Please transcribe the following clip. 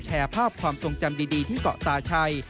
แชร์ภาพความทรงจำดีที่เกาะตาชัย